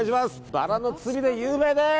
バラの包みで有名です。